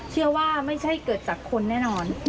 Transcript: เชื่อว่าไม่ใช่เกิดจากคนแน่นอน